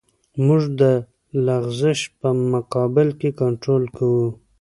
موږ د لغزش په مقابل کې کنټرول کوو